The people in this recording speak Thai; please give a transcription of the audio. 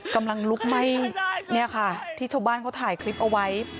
กำลังลุกไหม้เนี่ยค่ะที่ชาวบ้านเขาถ่ายคลิปเอาไว้